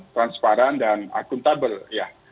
transparen dan akuntabel ya